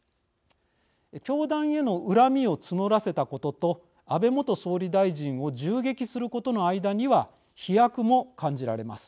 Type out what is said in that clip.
教団への恨みを募らせたことと安倍元総理大臣を銃撃することの間には飛躍も感じられます。